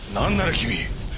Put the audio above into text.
君。